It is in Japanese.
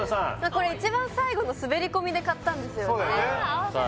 これ一番最後の滑り込みで買ったんですよねさあ